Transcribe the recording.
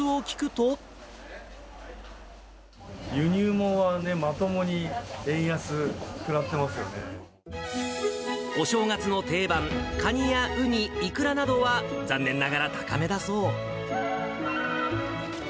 輸入物はね、お正月の定番、カニやウニ、イクラなどは残念ながら高めだそう。